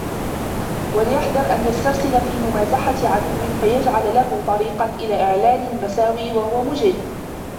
وَلْيَحْذَرْ أَنْ يَسْتَرْسِلَ فِي مُمَازَحَةِ عَدُوٍّ فَيَجْعَلَ لَهُ طَرِيقًا إلَى إعْلَانِ الْمَسَاوِئِ وَهُوَ مُجِدٌّ